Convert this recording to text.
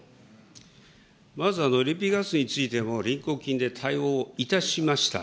まずＬＰガスについても臨交金で対応いたしました。